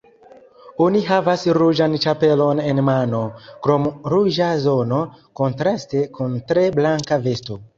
Oni havas ruĝan ĉapelon en mano, krom ruĝa zono kontraste kun tre blanka vesto.